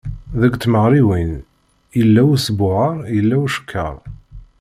Deg tmeɣriwin, yella usbuɣer yella ucekker.